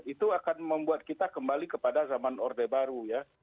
itu akan membuat kita kembali kepada zaman orde baru ya